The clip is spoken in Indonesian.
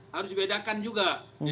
harus dibedakan juga